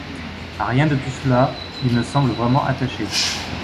À rien de tout cela il ne semble vraiment attaché.